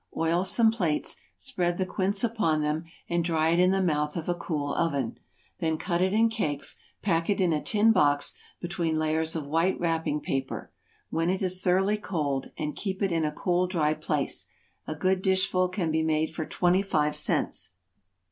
Oil some plates, spread the quince upon them, and dry it in the mouth of a cool oven. Then cut it in cakes, pack it in a tin box, between layers of white wrapping paper, when it is thoroughly cold, and keep it in a cool, dry place. A good dishful can be made for twenty five cents.